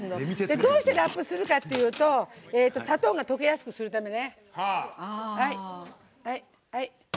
どうしてラップするかっていうと砂糖が溶けやすくするためね。